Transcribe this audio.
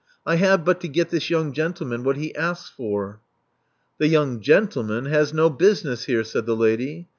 I have but to get this young gentleman what he asks for." The young gentleman has no business here," said the lady.